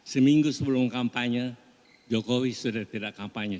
seminggu sebelum kampanye jokowi sudah tidak kampanye